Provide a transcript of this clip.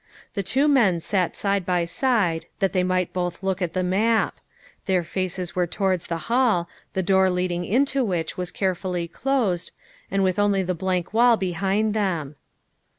The two men sat side by side that they might both look at the map; their faces were towards the hall, the door leading into which was carefully closed, and with only the blank wall behind them.